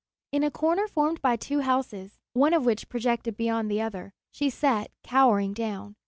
In a corner formed by two houses, one of which projected beyond the other, she sat cowering down.